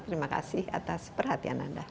terima kasih atas perhatian anda